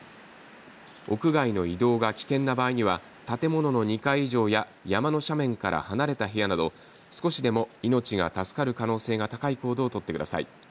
屋外の移動が危険な場合には建物の２階以上や山の斜面から離れた部屋など少しでも命が助かる可能性が高い行動を取ってください。